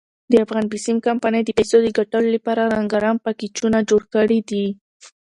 دافغان بېسیم کمپنۍ د پیسو دګټلو ډپاره رنګارنګ پېکېجونه جوړ کړي دي.